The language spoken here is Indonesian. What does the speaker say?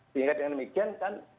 sehingga dengan demikian kan